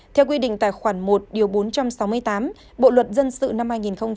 theo quy định tài khoản một bốn trăm sáu mươi tám bộ luật dân sự năm hai nghìn một mươi năm